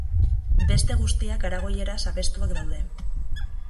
Beste guztiak Aragoieraz abestuak daude.